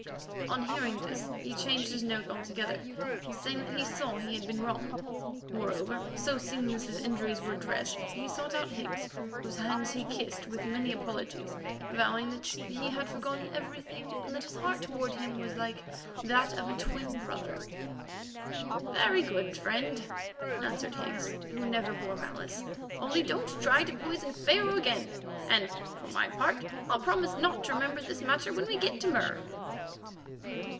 On hearing this, he changed his note altogether, saying that he saw he had been wrong. Moreover, so soon as his injuries were dressed, he sought out Higgs, whose hand he kissed with many apologies, vowing that he had forgotten everything and that his heart toward him was like that of a twin brother. "Very good, friend," answered Higgs, who never bore malice, "only don't try to poison Pharaoh again, and, for my part, I'll promise not to remember this matter when we get to Mur."